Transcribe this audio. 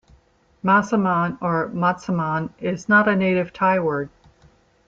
"Massaman" or "matsaman" is not a native Thai word.